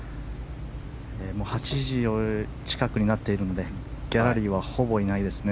８時近くになっているのでギャラリーはほぼいないですね。